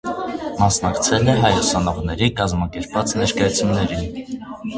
Մասնակցել է հայ ուսանողների կազմակերպած ներկայացումներին։